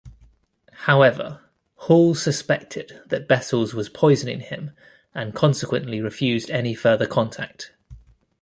However, Hall suspected that Bessels was poisoning him, and consequently refused any further contact.